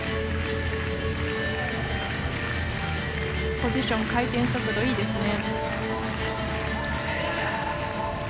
ポジション回転速度いいですね。